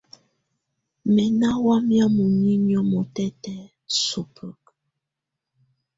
Mɛ̀ nà wamɛ̀á muninyǝ́ mutɛtɛ̀á subǝkǝ.